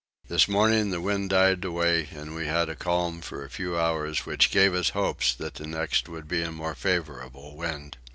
This morning the wind died away and we had a calm for a few hours which gave us hopes that the next would be a more favourable wind.